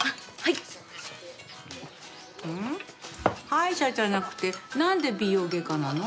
歯医者じゃなくてなんで美容外科なの？